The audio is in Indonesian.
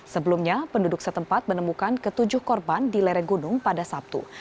sebelumnya penduduk setempat menemukan ketujuh korban di lereng gunung pada sabtu